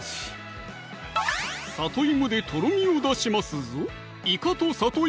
里芋でとろみを出しますぞ